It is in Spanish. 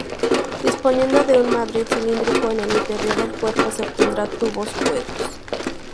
Disponiendo un mandril cilíndrico en el interior del cuerpo, se obtendrán tubos huecos.